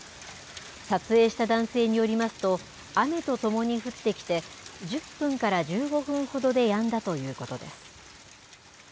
撮影した男性によりますと雨とともに降ってきて１０分から１５分ほどでやんだということです。